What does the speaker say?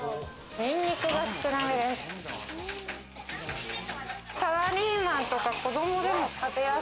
ニンニクが少なめです。